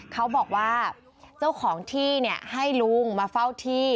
เขาบอกว่าเจ้าของที่ให้ลุงมาเฝ้าที่